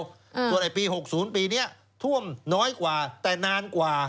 ส่วนปี๖๐ปีนี้ท่วมน้อยกว่าแต่นานกว่า